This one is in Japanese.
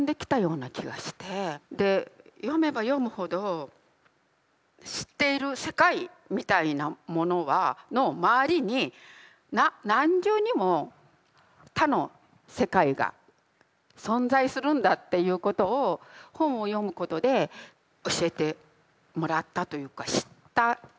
で読めば読むほど知っている世界みたいなもののまわりに何重にも他の世界が存在するんだっていうことを本を読むことで教えてもらったというか知った気がします。